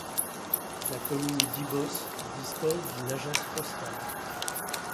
La commune d'Ibos dispose d'une agence postale.